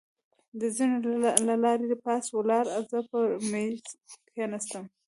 د زېنو له لارې پاس ولاړ، زه پر مېز کېناستم.